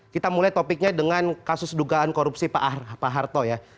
kita mulai topiknya dengan kasus dugaan korupsi pak harto ya